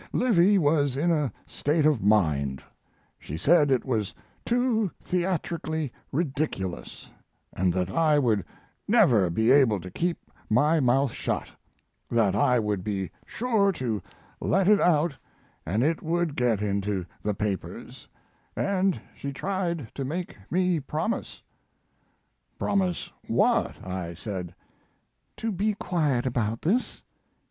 Livy was in a state of mind; she said it was too theatrically ridiculous & that I would never be able to keep my mouth shut; that I would be sure to let it out & it would get into the papers, & she tried to make me promise. "Promise what?" I said. "To be quiet about this."